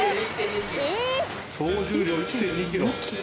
総重量１．２ｋｇ。